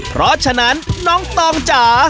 เพราะฉะนั้นน้องตองจ๋า